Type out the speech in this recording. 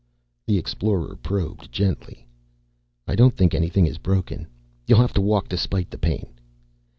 The Explorer probed gently. "I don't think anything is broken. You'll have to walk despite the pain."